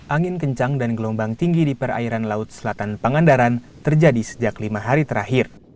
angin kencang dan gelombang tinggi di perairan laut selatan pangandaran terjadi sejak lima hari terakhir